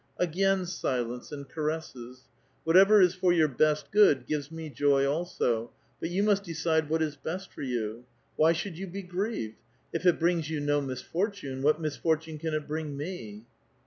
— Again silence and carpfisos — "Whatever is for your best good gives me joy also ; but you must decide what is best for you. Why should you be grieved? If it brings you no misfortune, what misfortune can it bring me?"